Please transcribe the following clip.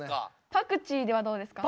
パクチーどうですか？